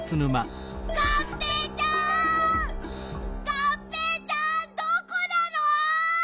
がんぺーちゃんどこなの？